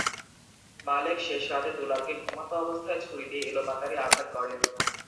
মালেক শেষ রাতে দুলালকে ঘুমন্ত অবস্থায় ছুরি দিয়ে এলোপাতাড়ি আঘাত করেন।